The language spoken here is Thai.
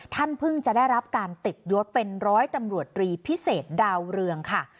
ท่านเพิ่งจะได้รับการติดยศเป็นร้อยตำรวจรีพิเศษดาวเรืองค่ะ